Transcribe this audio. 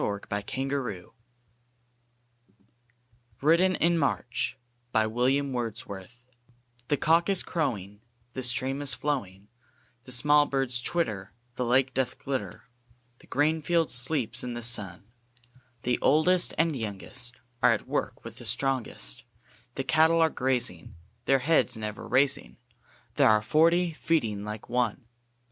Percy Bysslie SJielley RAINBOW GOLD WRITTEN IN MARCH THE Cock is crowing, The stream is flowing, The small birds twitter, The lake doth glitter, The green field sleeps in the sun; The oldest and youngest Are at work with the strongest; The cattle are grazing, Their heads never raising; There are forty feeding like one!